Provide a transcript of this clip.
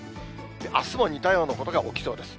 あすも似たようなことが起きそうです。